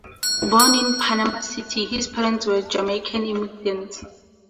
Born in Panama City, his parents were Jamaican immigrants.